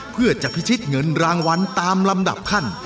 เพื่อจะพิชิตเงินรางวัลตามลำดับขั้น